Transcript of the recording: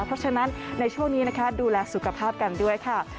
เพราะฉะนั้นในช่วงนี้นะคะดูแลสุขภาพกันด้วยค่ะ